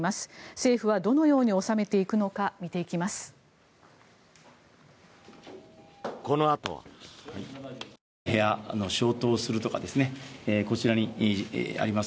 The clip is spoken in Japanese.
政府はどのように収めていくのか見ていきます。